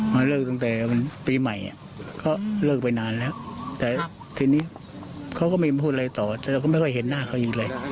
มาเลิกตั้งแต่ปีใหม่เขาเลิกไปนานแล้วแต่ทีนี้เขาก็ไม่พูดอะไรต่อแต่เราก็ไม่ค่อยเห็นหน้าเขาอีกเลย